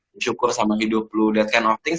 bersyukur sama hidup lu that kind of things